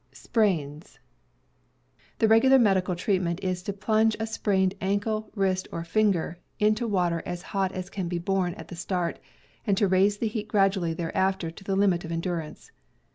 The regular medical treatment is to plunge a sprained ankle, wrist, or finger, into water as hot as can be . borne at the start, and to raise the heat ^* gradually thereafter to the limit of en durance.